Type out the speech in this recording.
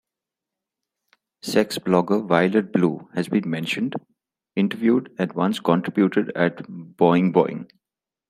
Sex blogger Violet Blue has been mentioned, interviewed and once contributed at "Boing Boing".